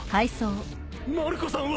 マルコさんは！？